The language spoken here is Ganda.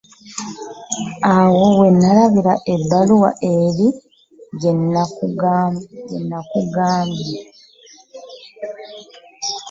Awo we nnalabira ebbaluwa eri gye nkugambye.